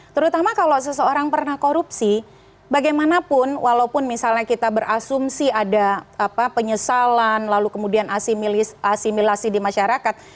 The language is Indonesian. terutama kalau seseorang pernah korupsi bagaimanapun walaupun misalnya kita berasumsi ada penyesalan lalu kemudian asimilasi di masyarakat